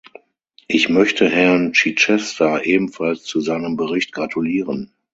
Ich möchte Herrn Chichester ebenfalls zu seinem Bericht gratulieren.